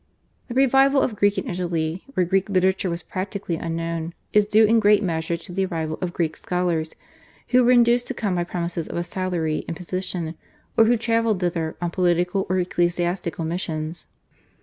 The revival of Greek in Italy, where Greek literature was practically unknown, is due in great measure to the arrival of Greek scholars, who were induced to come by promises of a salary and position, or who travelled thither on political or ecclesiastical missions.